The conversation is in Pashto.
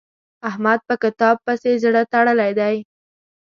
احمد په کتاب پسې زړه تړلی دی.